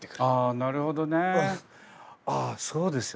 あなるほどね。ああそうですよね。